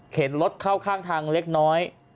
รถเข้าข้างทางเล็กน้อย